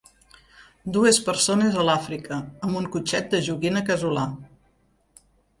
Dues persones a l'Àfrica amb un cotxet de joguina casolà.